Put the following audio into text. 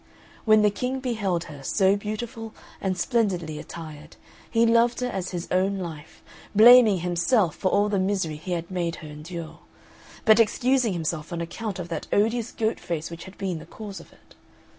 When the King beheld her, so beautiful and splendidly attired, he loved her as his own life; blaming himself for all the misery he had made her endure, but excusing himself on account of that odious goat face which had been the cause of it.